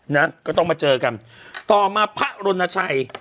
นะก็ต้องมาเจอกันต่อมาพระรณชัย